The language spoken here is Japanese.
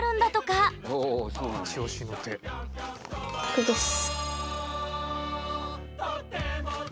これです。